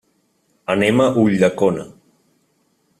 Anem a Ulldecona.